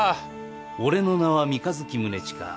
俺の名は三日月宗近。